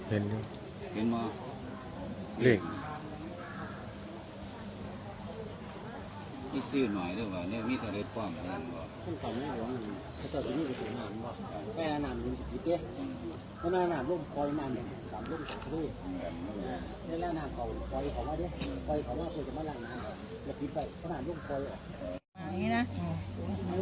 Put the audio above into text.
แบบใช้งานแบบนี้จากการกินต่อร้าน